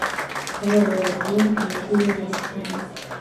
Twababaje amavi yabo cyane